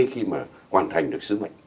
khi mà hoàn thành được sứ mệnh